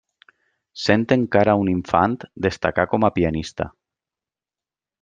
Sent encara un infant destacà com a pianista.